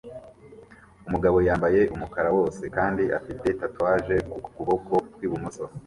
Umugabo yambaye umukara wose kandi afite tatouage ku kuboko kw'ibumoso